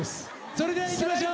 それではいきましょう！